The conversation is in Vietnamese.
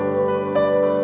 những khuyến cáo của chúng tôi